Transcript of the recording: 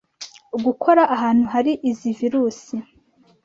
gukora ahantu hari izi virus